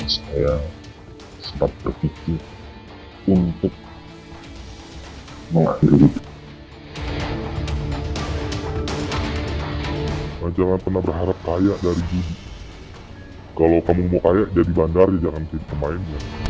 saya sempat berpikir untuk melahirkan